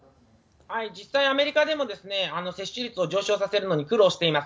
実際、アメリカでも接種率を上昇させるのに苦労しています。